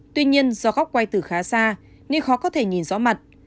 tuy nhiên do khóc quay từ khá xa nên khó có thể nhìn rõ mặt